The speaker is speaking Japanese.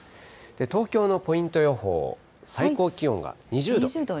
東京のポイント予報、最高気温は２０度。